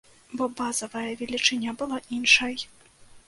Бо базавая велічыня была іншай.